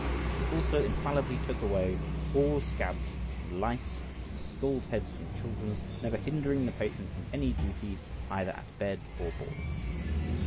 It also infallibly took away all scabs and lice, and scalled heads from children, never hindering the patient from any duty, either at bed or board.